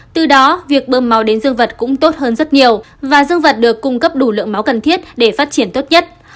từ đó việc bơm máu đến dương vật cũng tốt hơn rất nhiều và dương vật được cung cấp đủ lượng máu cần thiết để phát triển tốt nhất